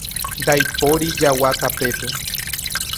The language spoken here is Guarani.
Ndaipóri jagua tapépe